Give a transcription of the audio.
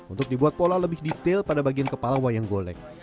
untuk dibuat pola lebih detail pada bagian kepala wayang golek